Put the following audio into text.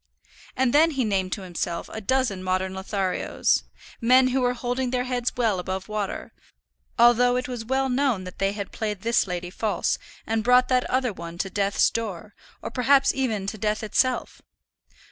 And then he named to himself a dozen modern Lotharios, men who were holding their heads well above water, although it was known that they had played this lady false, and brought that other one to death's door, or perhaps even to death itself.